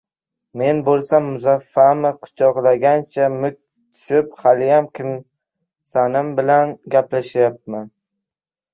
Men bo’lsam Muzaffami quchoqlagancha muk tushib, haliyam Kimsanim bilan gaplashyapman.